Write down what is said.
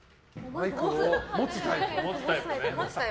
マイクを持つタイプ。